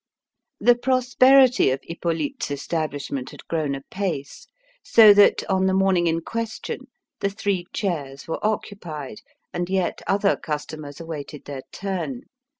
The prosperity of Hippolyte's establishment had grown apace, so that, on the morning in question, the three chairs were occupied, and yet other customers awaited their turn.